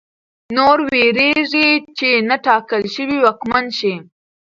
نور وېرېږي چې نا ټاکل شوی واکمن شي.